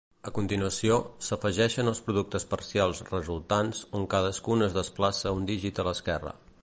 A continuació, s'afegeixen els productes parcials resultants on cadascun es desplaça un dígit a l'esquerra.